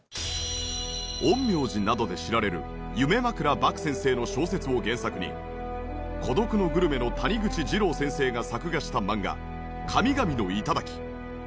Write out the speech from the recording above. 『陰陽師』などで知られる夢枕獏先生の小説を原作に『孤独のグルメ』の谷口ジロー先生が作画した漫画『神々の山嶺』。